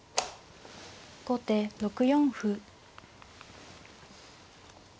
後手６四歩。